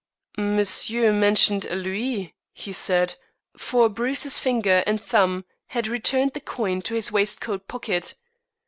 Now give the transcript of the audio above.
"Monsieur mentioned a louis," he said, for Bruce's finger and thumb had returned the coin to his waistcoat pocket.